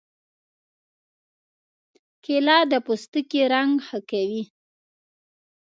کېله د پوستکي رنګ ښه کوي.